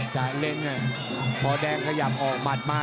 กาเล้นเนี่ยพอแต่งขยับออกหมัดมา